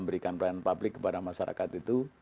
memberikan pelayanan publik kepada masyarakat itu